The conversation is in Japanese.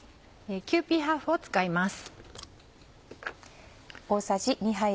「キユーピーハーフ」を使います。